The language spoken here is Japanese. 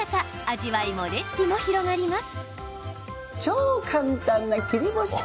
味わいもレシピも広がります。